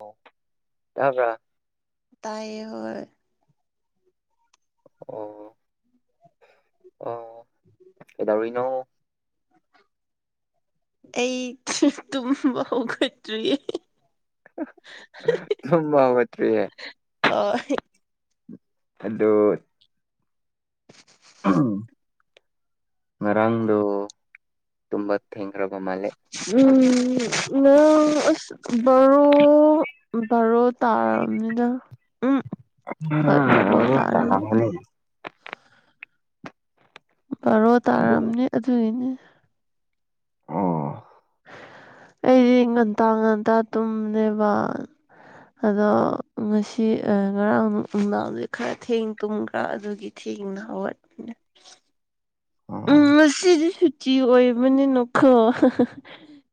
ꯑꯣ ꯇꯥꯕ꯭ꯔꯥ ꯇꯥꯏꯌꯦ ꯍꯣꯏ ꯑꯣ ꯑꯣ ꯑꯩꯗꯧꯔꯤꯅꯣ ꯑꯩ ꯇꯨꯝꯕ ꯍꯧꯒꯠꯇ꯭ꯔꯤꯌꯦ ꯇꯨꯝꯕ ꯍꯧꯒꯠꯇ꯭ꯔꯤꯌꯦ ꯑꯣ ꯑꯗꯣ [unintelligible] ꯉꯔꯥꯡꯗꫭ ꯇꯨꯝꯕ ꯊꯦꯡꯈꯔꯕꫭ ꯎꯝ [unintelligible] ꯕꯥꯔꯣ ꯕꯥꯔꯣ ꯇꯥꯑꯔꯕꯅꯤꯗ ꯎꯝ ꯍꯣꯏ ꯕꯔꯣ ꯇꯥꯔꯦ ꯕꯔꯣ [unintelligible] ꯑꯗꯨꯒꯤꯅꯦ ꯑꯣ ꯑꯩꯗꯤ ꯉꯟꯇꯥ ꯉꯟꯇꯥ ꯇꯨꯝꯅꯦꯕ ꯑꯗꯣ ꯉꯁꯤ ꯉꯔꯥꯡ ꯅꯨꯡꯗꯥꯡꯁꯦ ꯈꯔ ꯊꯦꯡ ꯇꯨꯝꯈ꯭ꯔꯥ ꯑꯗꯨꯒꯤ ꯊꯦꯡꯅ ꯍꯥꯎꯒꯥꯠ ꯎꯝ ꯉꯁꯤꯗꯤ ꯁꯨꯇꯤ ꯑꯣꯏꯕꯅꯤꯅꯈꯣ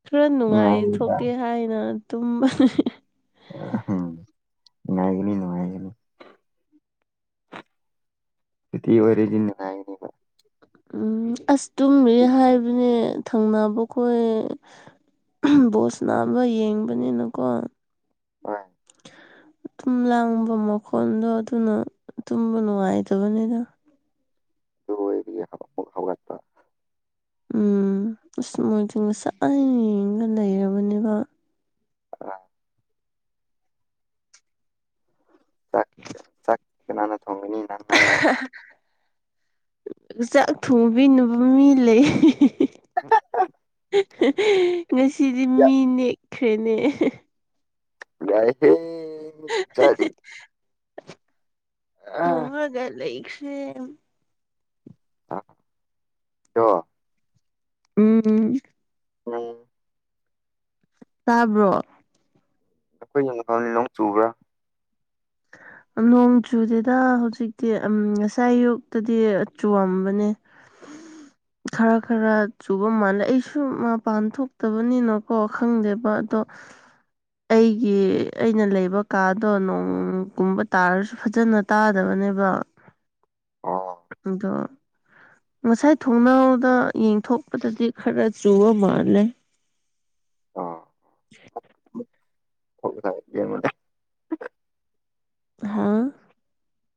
ꯈꯔ ꯅꯨꯡꯉꯥꯏ ꯊꯣꯛꯀꯦ ꯍꯥꯏꯅ ꯇꯨꯝꯕꯅꯤ ꯎꯝ ꯅꯨꯡꯉꯥꯏꯒꯅꯤ-ꯅꯨꯡꯉꯥꯏꯒꯅꯤ ꯁꯨꯇꯤ ꯑꯣꯏꯔꯗꯤ ꯅꯨꯡꯉꯥꯏꯒꯅꯤ ꯎꯝ ꯑꯁ ꯇꯨꯝꯃꯤ ꯍꯣꯏ ꯍꯥꯏꯕꯅꯦ ꯊꯪꯅꯕ ꯈꯣꯏ ꯕꯣꯁ ꯅꯥꯕ ꯑꯃ ꯌꯦꯡꯕꯅꯤꯅꯀꯣ ꯍꯣꯏ ꯇꯨꯝ ꯂꯥꯡꯕ ꯃꯈꯣꯟꯗꯣ ꯑꯗꯨꯅ ꯇꯨꯝꯕ ꯅꯨꯡꯉꯥꯏꯇꯕꯅꯤꯗꯥ ꯑꯗꯨ ꯑꫭꯏꯗꯤ ꯌꯥꯕ [unintelligible] [unintelligible] ꯎꯝ ꯑꯁ ꯃꯥꯏꯗꯤ ꯉꯁꯥꯏ ꯌꯦꯡꯉꯥ ꯂꯩꯔꯕꯅꯦꯕ ꯑ [unintelligible] ꯆꯥꯛ-ꯆꯥꯛ ꯀꯅꯥꯅ ꯊꯣꯡꯒꯅꯤ ꯅꯪꯅꯔꯥ ꯆꯥꯛ ꯊꯣꯡꯕꯤꯅꯕ ꯃꯤ ꯂꯩ ꯉꯁꯤꯗꯤ ꯃꯤ ꯅꯦꯛꯈ꯭ꯔꯦꯅꯦ ꯌꯥꯏꯍꯦ ꯆꯗꯤ ꯊꯝꯃꯥꯒ ꯂꯩꯈꯔꯦ ꯑꯥ [unintelligible] ꯎꯝ [unintelligible] ꯇꯥꯕ꯭ꯔꯣ ꯑꯩꯈꯣꯏ [unintelligible] ꯅꯣꯡ ꯆꯨꯕ꯭ꯔꯥ ꯅꯣꯡ ꯆꯨꯗꯦꯗ ꯍꯧꯖꯤꯛꯇꯤ ꯉꯁꯥꯏ ꯑꯌꯨꯛꯇꯗꯤ ꯆꯨꯑꯝꯕꯅꯦ [inaudible] ꯈꯔ ꯈꯔ ꯆꯨꯕ ꯃꯥꯜꯂꯦ ꯑꯩꯁꯨ ꯃꯄꯥꯟ ꯊꯣꯛꯇꯕꯅꯤꯅꯀꯣ ꯈꯪꯗꯦꯕ ꯑꯗꯣ [inaudible] ꯑꯩꯒꯤ ꯑꯩꯅ ꯂꯩꯕ ꯀꯥꯗꯣ ꯅꯣꯡ ꯅꫭꯡ ꯀꯨꯝꯕ ꯇꯥꯔꯁꯨ ꯐꯖꯅ ꯇꯥꯗꯕꯅꯦꯕ ꯑꯥ ꯑꯗꯣ ꯉꯁꯥꯏ ꯊꯣꯡꯅꯥꯎꯗ ꯌꯦꯡꯊꯣꯛꯄꯗꯗꯤ ꯈꯔ ꯆꯨꯕ ꯃꯥꯜꯂꯦ ꯑꫭ [inaudible] [unintelligible] ꯑꯍ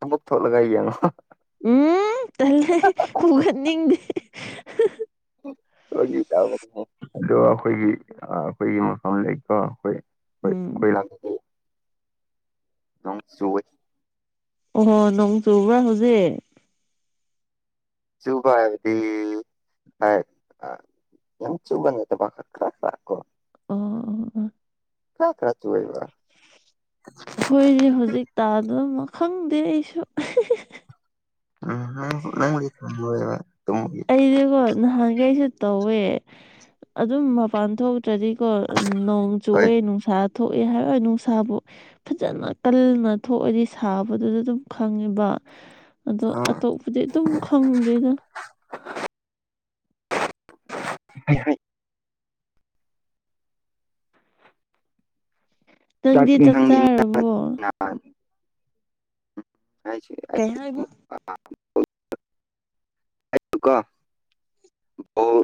ꯑꯃꯨꯛ ꯊꯣꯛꯂꯒꯥ ꯌꯦꯡꯉꯣ ꯎꯝ ꯇꯜꯂꯦ ꯍꯧꯒꯠꯅꯤꯡꯗꯦ ꯐꯥꯒꯤ ꯇꯧꯕꯅꯤꯍꯦ ꯑꯗꯣ ꯑꯩꯈꯣꯏꯒꯤ-ꯑꯩꯈꯣꯏꯒꯤ ꯃꯐꯝ ꯂꯩꯀꯣ ꯑꯩꯈꯣꯏ ꯍꯣꯏ ꯎꯝ ꯑꯩꯈꯣꯏ ꯂꯥꯛ ꯅꯣꯡ ꯆꯨꯑ ꯑꯣꯍꯣ ꯅꯣꯡ ꯆꯨꯕ꯭ꯔꯥ ꯍꯧꯖꯤꯛ ꯆꯨꯕ ꯍꯥꯏꯕꯗꯤ ꯍꯣꯏ ꯑ ꯌꯥꯝ ꯆꯨꯕ ꯅꯠꯇꯕ ꯈ꯭ꯔ ꯈ꯭ꯔ ꯀꯣ ꯑꯣ-ꯑꯣ-ꯑꯣ ꯈ꯭ꯔ ꯈ꯭ꯔ ꯆꯨꯢꯌꯦꯕ ꯑꯩꯈꯣꯏꯗꯤ ꯍꯧꯖꯤꯛ ꯇꯥꯗꯕ ꯈꯪꯗꯦ ꯑꯩꯁꯨ ꯎꯝ ꯅꯪꯕꯨꯗꯤ ꯈꯪꯂꯣꯢꯕ ꯇꯨꯝꯕꯒꯤ ꯑꯩꯗꯤꯀꯣ ꯅꯍꯥꯟꯈꯩꯁꯨ ꯇꯧꯋꯦ ꯑꯗꯨꯝ ꯃꯄꯥꯟ ꯊꯣꯛ ꯇ꯭ꯔꯗꯤꯀꯣ ꯅꯣꯡ ꯍꯣꯏ ꯆꯨꯑꯦ ꯅꯨꯡꯁꯥ ꯊꯣꯛꯑꯦ ꯍꯥꯏꯔꯣꯏ ꯅꯨꯡꯁꯥꯕꯨ ꯐꯖꯅ ꯀꯟꯅ ꯊꯣꯛꯑꯗꯤ ꯁꯥꯕꯗꯨꯗ ꯑꯗꯨꯝ ꯈꯪꯉꯦꯕ ꯑꯗꯣ ꯑꯥ ꯑꯇꯣꯞꯄꯗꯤ ꯑꯗꯨꯝ ꯈꯪꯗꯦꯗ ꯑꯩ ꯍꯥꯢ ꯅꯪꯗꯤ ꯆꯥꯛꯇꯤ ꯆꯥꯛ ꯅꯪ ꯆꯥꯔꯕꯣ [unintelligible] ꯀꯩ ꯍꯥꯏꯕ ꯑꯥ [unintelligible] [inaudible]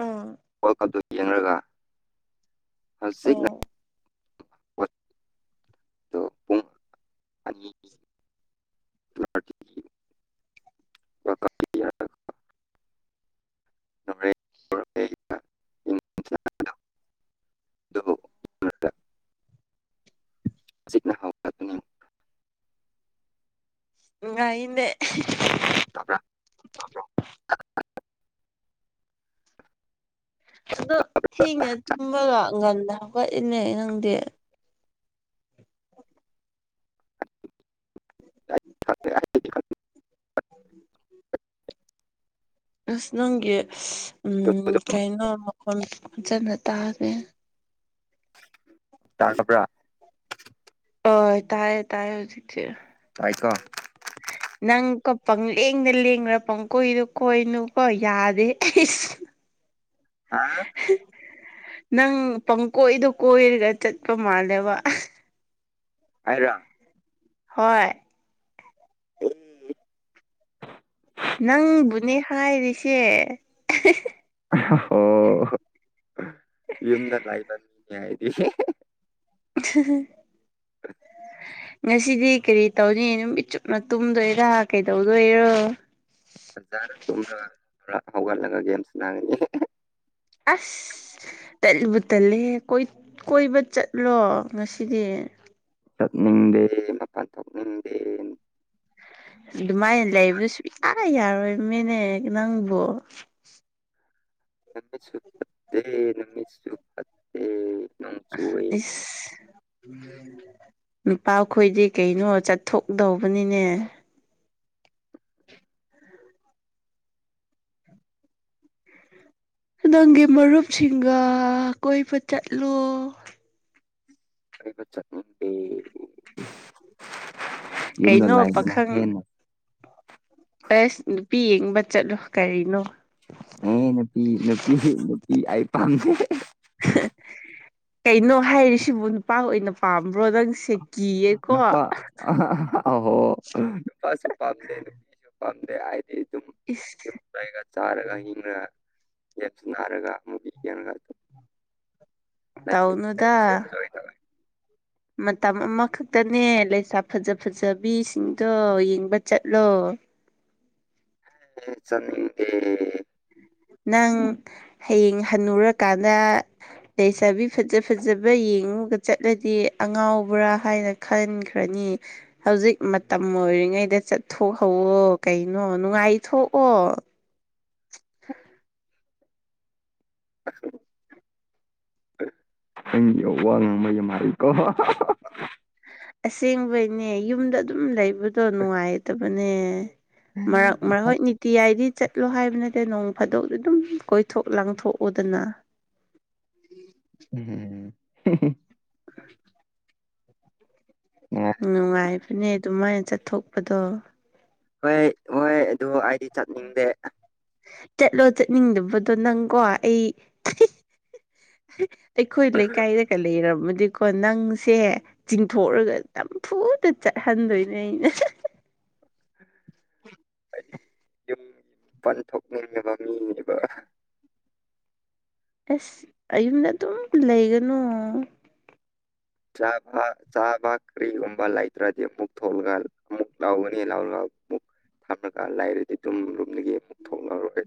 ꯑꯥ ꯋꯥꯔꯜ ꯀꯞꯇꯣ ꯌꯦꯡꯉꯒ ꯍꯖꯤꯛꯅ ꯑꯣ [inaudible] ꯄꯨꯡ ꯑꯅꯤ [inaudible] [inaudible] ꯍꯖꯤꯛꯅ ꯍꯧ [inaudible] ꯅꯨꯡꯉꯥꯏꯅꯦ ꯇꯕ꯭ꯔ ꯑꯗꯣ ꯊꯦꯡꯉꯦ ꯇꯨꯝꯕꯒ ꯉꯟꯅ ꯍꯧꯒꯠꯂꯤꯅ ꯅꯪꯗꯤ ꯎꯝ [inaudible] ꯑꯁ ꯅꯪꯒꯤ ꯀꯩꯅꯣ ꯃꯈꯣꯟ ꯐꯖꯅ ꯇꯥꯗꯦ ꯇꯥꯗꯕ꯭ꯔ ꯑꯣ ꯇꯥꯏꯌꯦ-ꯇꯥꯏꯌꯦ ꯍꯧꯖꯤꯛꯇꯤ ꯇꯥꯏꯀꯣ ꯅꯪꯀꯣ ꯄꯪꯂꯦꯡꯗ ꯂꯦꯡꯔ ꯄꯪ ꯀꯣꯏꯗ ꯀꯣꯏꯅꯨꯀꯣ ꯌꯥꯗꯦ ꯑꯩꯁ ꯍꯥ ꯅꯪ ꯄꯪꯀꯣꯏꯗ ꯀꯣꯏꯔꯒ ꯆꯠꯄ ꯃꯥꯜꯂꯦꯕ ꯑꯩꯔ ꯍꯣꯏ ꯎꯝ [unintelligible] ꯅꯪꯕꯨꯅꯦ ꯍꯥꯏꯔꯤꯁꯦ ꯍꯣ ꯌꯨꯝꯗ ꯂꯩꯕ ꯃꯤꯅꯤ ꯑꯩꯗꯤ [inaudible] [inaudible] ꯉꯁꯤꯗꯤ ꯀꯔꯤ ꯇꯧꯅꯤ ꯅꯨꯃꯤꯠ ꯆꯨꯞꯅ ꯇꯨꯝꯗꯣꯏꯔꯥ ꯀꯩꯗꯧꯗꯣꯏꯔꯣ ꯐꯖꯅ ꯇꯨꯝꯔꯒ ꯍꯧꯒꯠꯂ ꯒꯦꯝ ꯁꯥꯅꯒꯅꯤ ꯑꯁ ꯇꯜꯂꯨꯕ ꯇꯜꯂꯦꯍꯦ ꯀꯣꯏꯕ ꯆꯠꯂꯣ ꯉꯁꯤꯗꯤ ꯆꯠꯅꯤꯡꯗꯦ ꯃꯄꯥꯟ ꯊꯣꯛꯅꯤꯡꯗꯦ ꯅꯨꯃꯤꯠꯁꯨ ꯑꯗꯨꯃꯥꯏꯅ ꯂꯩꯕꯗꯨ ꯁꯨꯛꯌꯥ ꯌꯥꯔꯣꯏ ꯅꯦ ꯅꯪꯕꯨ ꯅꯨꯃꯤꯠꯁꯨ ꯐꯠꯇꯦ ꯅꯨꯃꯤꯠꯁꯨ ꯐꯠꯇꯦ ꯅꯣꯡ ꯆꯨꯋꯦ ꯏꯁ ꯅꯨꯄꯥꯈꯣꯏꯗꯤ ꯀꯩꯅꯣ ꯆꯠꯊꯣꯛꯗꯧꯕꯅꯤꯅꯦ ꯅꯪꯒꯤ ꯃꯔꯨꯞꯁꯤꯡꯒ ꯀꯣꯏꯕ ꯆꯠꯂꯣ ꯆꯠꯅꯤꯡꯗꯦ ꯌꯨꯝꯗ ꯀꯩꯅꯣ ꯂꯩꯕꯅ ꯄꯥꯈꯪ ꯍꯦꯟꯅ ꯑꯁ ꯅꯨꯄꯤ ꯌꯦꯡꯕ ꯆꯠꯂꯣ ꯀꯔꯤꯅꯣ ꯑꯦ ꯅꯨꯄꯤ ꯅꯨꯄꯤ ꯅꯨꯄꯤ ꯑꯩ ꯄꯥꯝꯗꯦ ꯀꯩꯅꯣ ꯍꯥꯏꯔꯤꯁꯤꯕꯨ ꯅꯨꯄꯥ ꯑꯣꯏꯅ ꯄꯥꯝꯕ꯭ꯔꯣ ꯅꯪ ꯅꯨꯄꯥ ꯑꯍꯣ ꯅꯨꯄꯥꯁꯨ ꯄꯥꯝꯗꯦ ꯅꯨꯄꯤꯁꯨ ꯄꯥꯝꯗꯦ ꯍꯥꯏꯗꯤ ꯑꯗꯨꯝ ꯏꯁ ꯌꯨꯝ ꯂꯩꯔꯒ ꯆꯥꯔꯒ ꯍꯤꯡꯉꯒ ꯒꯦꯝꯁꯅꯥꯔꯒ ꯃꯨꯕꯤ ꯌꯦꯡꯉꯒ ꯑꯗꯨꯝ ꯂꯩꯕ ꯇꯧꯅꯨꯗ ꯂꯩꯕꯁꯦ ꯑꯦꯟꯖꯣꯏ ꯇꯧꯋꯦ ꯃꯇꯝ ꯑꯃꯈꯛꯇꯅꯦ ꯂꯩꯁꯥ ꯐꯖ ꯐꯖꯕꯤꯁꯤꯡꯗꯣ ꯌꯦꯡꯕ ꯆꯠꯂꯣ ꯆꯠꯅꯤꯡꯗꯦ ꯅꯪ ꯍꯌꯦꯡ ꯍꯟꯅꯨꯔꯀꯥꯟꯗ ꯂꯩꯁꯥꯕꯤ ꯐꯖ ꯐꯖꯕ ꯌꯦꯡꯉꯒ ꯆꯠꯂꯗꯤ ꯑꯉꯥꯎꯕ꯭ꯔꯥ ꯍꯥꯏꯅ ꯈꯟꯈ꯭ꯔꯅꯤ ꯍꯧꯖꯤꯛ ꯃꯇꯝ ꯑꯣꯏꯔꯤꯉꯩꯗ ꯆꯠꯊꯣꯛꯍꯧꯋꯣ ꯀꯩꯅꯣ ꯅꯨꯡꯉꯥꯏꯊꯣꯛꯑꯣ ꯑꯩꯒꯤ [inaudible] ꯑꯁꯦꯡꯕꯩꯅꯦ ꯌꯨꯝꯗ ꯑꯗꯨꯝ ꯂꯩꯕꯗꯣ ꯅꯨꯡꯉꯥꯏꯇꯕꯅꯦ ꯏꯊꯟ- ꯃꯔꯛ ꯃꯔꯛ ꯍꯣꯏ ꯅꯨꯡꯇꯤ ꯖꯥꯏꯗꯤ ꯆꯠꯂꯣ ꯍꯥꯏꯕ ꯅꯠꯇꯦ ꯅꯣꯡ ꯐꯥꯗꯣꯛꯗꯤ ꯑꯗꯨꯝ ꯀꯣꯏꯊꯣꯛ ꯂꯥꯡꯊꯣꯛꯎꯗꯅ ꯎꯝ ꯑꯥ ꯅꯨꯡꯉꯥꯏ- ꯅꯨꯡꯉꯥꯏꯕꯅꯦ ꯑꯗꯨꯃꯥꯏꯅ ꯆꯠꯊꯣꯛꯄꯗꯣ ꯍꯣꯏ ꯍꯣꯏ ꯑꯗꯨ ꯑꯩꯗꯤ ꯆꯠꯅꯤꯡꯗꯦ ꯆꯠꯂꯣ ꯆꯠꯅꯤꯡꯗꯕꯗꯣ ꯅꯪꯀꯣ ꯑꯩ ꯑꯩꯈꯣꯏ ꯂꯩꯀꯥꯏꯗꯒ ꯂꯩꯔꯝꯃꯗꯤꯀꯣ ꯅꯪꯁꯦ ꯆꯤꯡꯊꯣꯛꯑꯒ ꯇꯝꯐꯨꯗ ꯆꯠꯍꯟꯗꯣꯏꯅꯦ ꯑꯩꯅ ꯍꯥꯏꯗꯤ ꯌꯨꯝꯒꯤ ꯃꯄꯥꯟ ꯊꯣꯛꯅꯤꯡꯉꯕ ꯃꯤꯅꯦꯕ ꯑꯁ ꯑꯌꯨꯝꯗ ꯑꯗꯨꯝ ꯂꯩꯒꯅꯨ ꯆꯥꯕ ꯆꯥꯕ ꯀꯔꯤꯒꯨꯝꯕ ꯂꯩꯇ꯭ꯔꯗꯤ ꯑꯃꯨꯛ ꯊꯣꯛꯂꯒ ꯑꯃꯨꯛ ꯂꯧꯒꯅꯤ ꯂꯥꯎꯔꯒ ꯑꯃꯨꯛ ꯊꯝꯂꯒ ꯂꯩꯔꯗꯤ ꯑꯗꯨꯝ ꯔꯨꯝꯗꯒꯤ ꯑꯃꯨꯛ ꯊꯣꯛꯑꯔꯣꯏ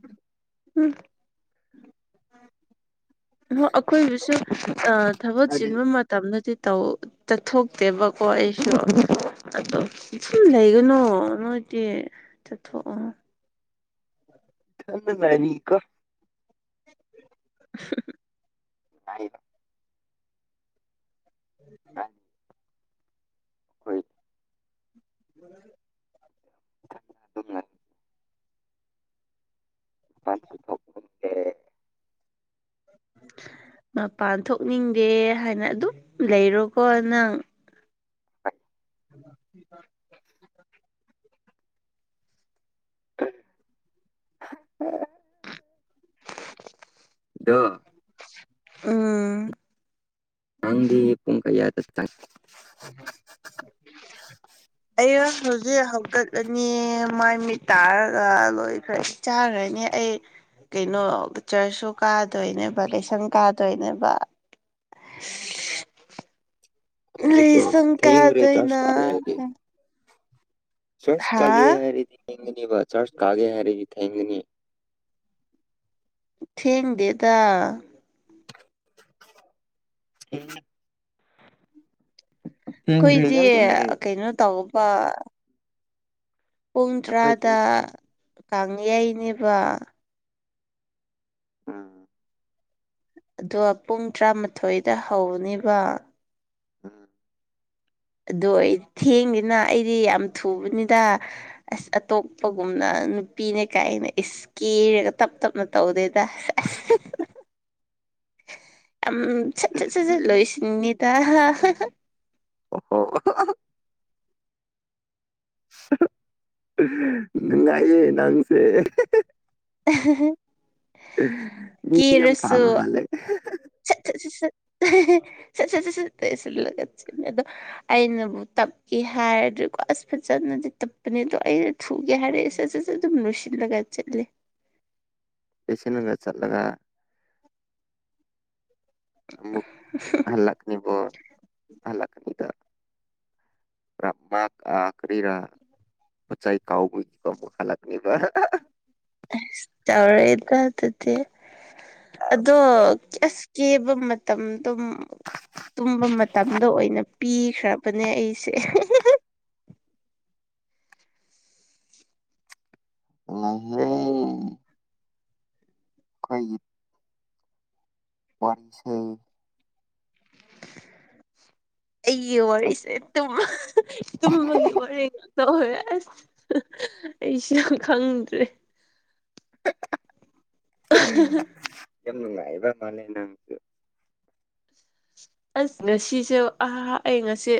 ꯎꯝ ꯑꯩꯈꯣꯏꯕꯨꯁꯨ ꯊꯕꯛ ꯍꯥꯏꯗꯤ ꯆꯤꯟꯕ ꯃꯇꯝꯗꯗꯤ ꯆꯠꯊꯣꯛꯇꯦꯕꯀꯣ ꯑꯩꯁꯨ ꯑꯗꯣ ꯁꯨꯝ ꯂꯩꯒꯅꯣ ꯅꯣꯏꯗꯤ ꯆꯠꯊꯣꯛꯑꯣ [unintelligible] [inaudible] ꯍꯥꯏ ꯍꯥꯏ ꯍꯣꯏ ꯎ ꯑꯗꯨꯝ ꯂꯩ ꯃꯄꯥꯟꯁꯨ ꯊꯣꯛꯇꯦ ꯃꯄꯥꯟ ꯊꯣꯛꯅꯤꯡꯗꯦ ꯍꯥꯏꯅ ꯑꯗꯨꯝ ꯂꯩꯔꯣꯀꯣ ꯅꯪ ꯐ [inaudible] [unintelligible] ꯗ ꯎꯝ ꯍꯥꯡꯗꯤ ꯄꯨꯡ ꯀ ꯌꯥ ꯆ [unintelligible] ꯑꯩ ꯍꯧꯖꯤꯛ ꯍꯧꯀꯠꯂꯅꯤ ꯃꯥꯏ ꯃꯤꯠ ꯇꯥꯔꯒ ꯂꯣꯏꯈ꯭ꯔꯦ ꯆꯥꯈꯅꯤ ꯑꯩ ꯀꯩꯅꯣ ꯆꯔꯆꯁꯨ ꯀꯥꯗꯣꯏꯅꯦꯕ ꯂꯥꯏꯁꯪ ꯀꯥꯗꯣꯏꯅꯦꯕ [unintelligible] ꯂꯩ ꯍꯧꯖꯤꯛꯔꯣ ꯊꯦꯡꯈ꯭ꯔꯦ ꯆꯥꯔꯖ ꯁꯪꯀꯥꯗꯅ ꯆꯔꯁ ꯀꯥꯒꯦ ꯍꯥꯏꯔꯗꯤ ꯊꯦꯡꯒꯅꯤꯕ ꯆꯥꯔꯁ ꯀꯥꯒꯦ ꯍꯥꯏꯔꯗꯤ ꯊꯦꯡꯒꯅꯤ ꯊꯦꯡꯗꯦꯗ ꯍ ꯑꯩꯈꯣꯏꯗꯤ ꯀꯩꯅꯣ ꯇꯧꯕ ꯄꯨꯡ ꯅꯈꯣꯏꯗꯤ ꯇꯔꯥꯗ ꯀꯥꯡꯌꯥꯩꯅꯦꯕ ꯑꯥ ꯑꯗꯣ ꯄꯨꯡ ꯇꯔꯥꯃꯥꯊꯣꯏꯗ ꯍꯧꯅꯦꯕ ꯎꯝ ꯑꯗꯨꯗꯣ ꯑꯩ ꯊꯦꯡꯉꯤꯅ ꯑꯩꯗꯤ ꯌꯥꯝ ꯊꯨꯕꯅꯤꯗ ꯑꯁ ꯑꯇꯣꯞꯄꯒꯨꯝꯅ ꯅꯨꯄꯤꯅꯦ ꯀꯥꯏꯅ ꯏꯁ ꯀꯦꯔꯒ ꯇꯞ ꯇꯞꯅ ꯇꯧꯗꯦꯗ ꯑꯁ ꯏꯁꯀꯤ ꯌꯥꯝ ꯁꯠ ꯁꯠ ꯁꯠ ꯁꯠ ꯂꯣꯏꯁꯤꯅꯤꯗ ꯑꯣ ꯍꯣ ꯅꯨꯡꯉꯏ ꯅꯪꯁꯦ [unintelligible] ꯃꯤ ꯌꯝ ꯀꯦꯔꯁꯨ ꯊꯥꯃꯂ [unintelligible] ꯁꯠ ꯁꯠ ꯁꯠ [unintelligible] ꯑꯩꯅꯕꯨ ꯇꯞꯀꯦ ꯍꯥꯏꯔꯗꯤꯀꯣ ꯑꯁ ꯐꯖꯅꯗꯤ ꯇꯞꯄꯅꯤꯗꯣ ꯑꯩꯅ ꯊꯨꯒꯦ ꯍꯥꯏꯔꯦꯁꯦꯁꯦ ꯁꯠ ꯁꯠ ꯁꯠ ꯑꯗꯨꯝ ꯂꯣꯏꯁꯤꯜꯂꯒ ꯆꯠꯂꯦ ꯄꯦꯁꯦꯟ ꯒ ꯆꯠꯂꯒ ꯑꯃꯨꯛꯠ ꯍꯜꯂꯛꯅꯤꯕꯨ ꯍꯜꯂꯛꯄꯗ ꯃꯥ ꯀꯥ ꯀꯔꯤꯔꯥ ꯄꯣꯆꯥꯏ ꯀꯥꯎꯕꯒꯤꯀꯣ ꯑꯃꯨꯛ ꯍꯜꯂꯛꯅꯦꯕ ꯑ ꯆꯥꯎꯔꯦꯗ ꯑꯗꯨꯗꯤ ꯑꯗꯣꯁ ꯀꯦꯕ ꯃꯇꯝꯗ ꯇꯨꯝꯕ ꯃꯇꯝꯗ ꯑꯣꯏꯅ ꯄꯤꯈ꯭ꯔꯕꯅꯦ ꯑꯩꯁꯦ ꯪ ꯑꯩꯈꯣꯏꯒꯤ ꯋꯥꯔꯤꯁꯦ ꯑꯩꯒꯤ ꯋꯥꯔꯤꯁꯦ ꯇꯨꯝ ꯇꯨꯝꯕꯒꯤ ꯋꯥꯔꯤ ꯇꯧꯍꯣꯏ ꯑꯁ ꯑꯩꯁꯨꯁꯨ ꯈꯪꯗ꯭ꯔꯦ ꯌꯥꯝ ꯂꯑꯕ ꯃꯥ ꯂꯩꯦ ꯅꯁꯨ ꯑꯁ ꯉꯁꯤꯁꯨꯦ ꯑꯍ ꯑꯩ ꯉꯁꯤ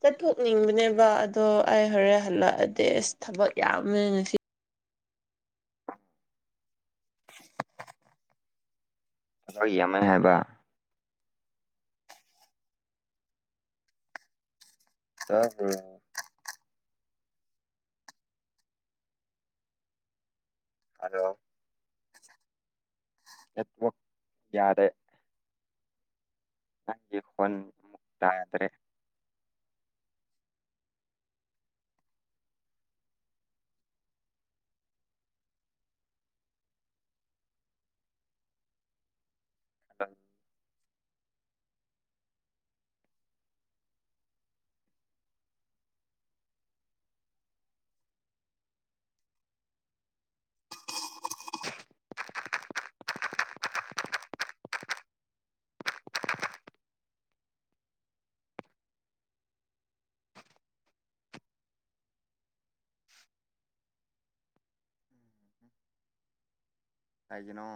ꯆꯠꯊꯣꯛꯅꯤꯡꯕꯅꯦꯕ ꯑꯗꯣ ꯑꯩ ꯍꯣꯔꯦꯟ ꯍꯜꯂꯛꯑꯗꯤ ꯑꯁ ꯊꯕꯛ ꯌꯥꯝꯃꯦ ꯉꯁꯤ ꯑꯣꯏ ꯑꯃ ꯍꯥꯏꯕ ꯇ ꯍ ꯍꯂꯣ [unintelligible] ꯌꯥꯗꯦ ꯅꯪꯒꯤ ꯐꯣꯟ ꯌꯥꯗꯔ꯭ꯦ ꯑꯝ [unintelligible] ꯀꯩꯒꯤꯅꯣ